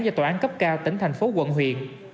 do tòa án cấp cao tỉnh thành phố quận huyện